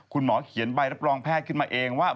คุณหมอเขียนใบรับรองแพทย์ขึ้นมาเองว่า